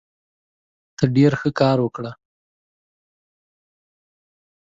ته ډېر ښه کار وکړ.